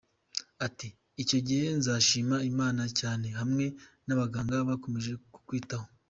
Ati "icyo gihe nzashima Imana cyane, hamwe n’abaganga bakomeje kutwitaho.